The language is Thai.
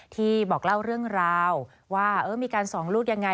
ที่บอกเล่าเรื่องราวว่ามีการส่องลูกยังไง